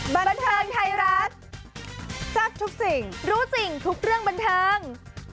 บันเทิงไทยรัฐแซ่บทุกสิ่งรู้จริงทุกเรื่องบันเทิง